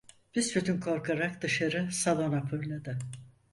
Büsbütün korkarak dışarı salona fırladı.